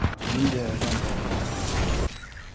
Мин дә әҙәм балаһы бит